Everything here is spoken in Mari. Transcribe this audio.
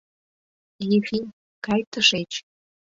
— Ефим, кай тышеч!